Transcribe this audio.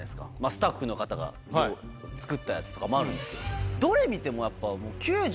スタッフの方がつくったやつとかもあるんです。